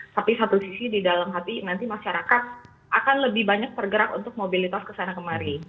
tapi satu sisi di dalam hati nanti masyarakat akan lebih banyak bergerak untuk mobilitas kesana kemari